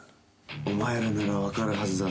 お前らなら分かるはずだぞ。